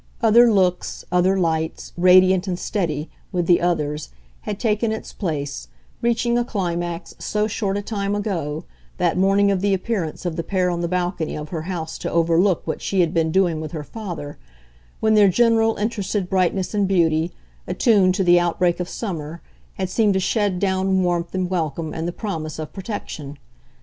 Other looks, other lights, radiant and steady, with the others, had taken its place, reaching a climax so short a time ago, that morning of the appearance of the pair on the balcony of her house to overlook what she had been doing with her father; when their general interested brightness and beauty, attuned to the outbreak of summer, had seemed to shed down warmth and welcome and the promise of protection.